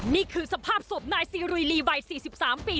นี่คือสภาพศพนายซีรุยลีวัย๔๓ปี